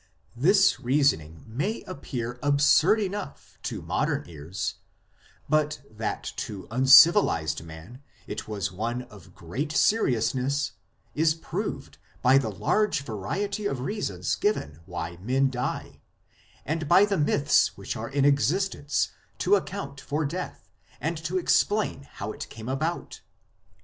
This reasoning may appear absurd enough to modern ears, but that to uncivilized man it was one of great seriousness is proved by the large variety of reasons given why men die, and by the myths which are in existence to account for death and to explain how it came about.